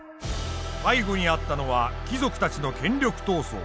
背後にあったのは貴族たちの権力闘争。